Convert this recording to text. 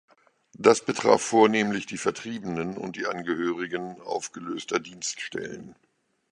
Das betraf vornehmlich die Vertriebenen und die Angehörigen aufgelöster Dienststellen.